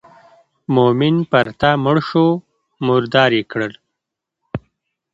مومن پر تا مړ شو مردار یې کړ.